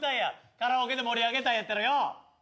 カラオケで盛り上げたいんやったらよ。